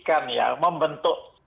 kan ya membentuk